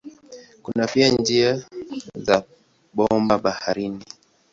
Kuna pia njia za bomba baharini.